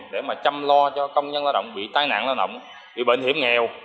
để mà chăm lo cho công nhân lao động bị tai nạn lao động bị bệnh hiểm nghèo